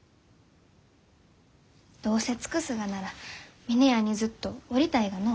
どうせ尽くすがなら峰屋にずっとおりたいがのう。